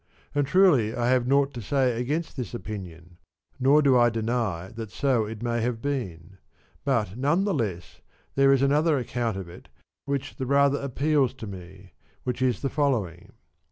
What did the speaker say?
And truly I have naught to say against this opinion, nor do I deny that so it may have been ; but none the less there is another 74 account of it which the rather appeals to me, which is the following.